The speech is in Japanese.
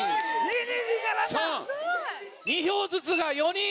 ２票ずつが４人！